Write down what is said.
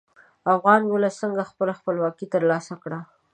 افغان ولس څنګه خپله خپلواکي تر لاسه کړه.